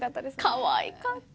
かわいかった！